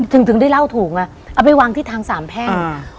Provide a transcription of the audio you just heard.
ถึงถึงได้เล่าถูกอ่ะเอาไปวางที่ทางสามแพ่งอ่า